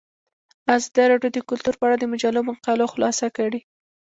ازادي راډیو د کلتور په اړه د مجلو مقالو خلاصه کړې.